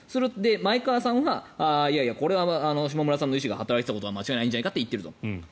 前川さんはいやいや、これは下村さんの意思が働いたことは間違いなと言っていると。